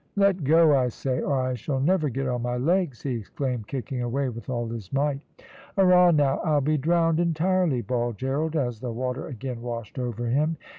"Let go, I say, or I shall never get on my legs," he exclaimed, kicking away with all his might. "Arrah now, I'll be drowned entirely," bawled Gerald, as the water again washed over him.